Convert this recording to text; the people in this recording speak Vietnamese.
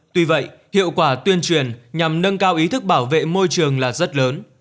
tuy vậy hiệu quả tuyên truyền nhằm nâng cao ý thức bảo vệ môi trường là rất lớn